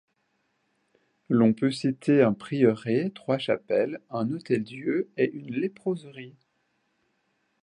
L'on peut citer un prieuré, trois chapelles, un hôtel-Dieu et une léproserie.